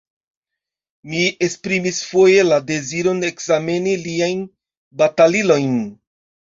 Mi esprimis foje la deziron ekzameni liajn batalilojn.